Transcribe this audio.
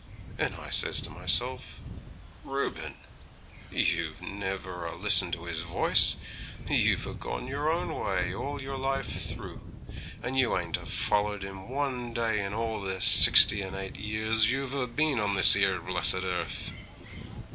And I says to myself, "Reuben! you've never a listened to His voice; you've a gone your own way all your life through, and you ain't a follered Him one day in all the sixty and eight years you've a bin on this 'ere blessed earth!"